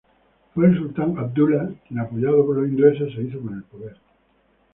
Fue el Sultán Abdullah quien apoyado por los ingleses se hizo con el poder.